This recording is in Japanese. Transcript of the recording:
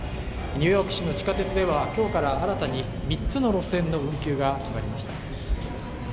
ニューヨーク市の地下鉄では今日から新たに三つの路線の運休が決まりました。